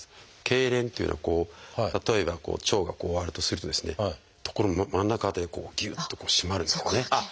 けいれんっていうのは例えばこう腸がこうあるとするとですね真ん中辺りでこうぎゅっと締まるんですよね。